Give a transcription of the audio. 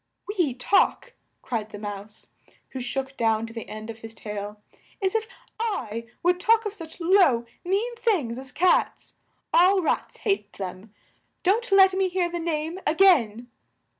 "We talk!" cried the Mouse, who shook down to the end of his tail. "As if I would talk of such low, mean things as cats! All rats hate them. Don't let me hear the name a gain!"